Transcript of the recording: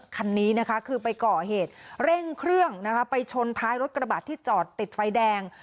คันนี้นะคะคือไปก่อเหตุเร่งเครื่องนะคะไปชนท้ายรถกระบาดที่จอดติดไฟแดง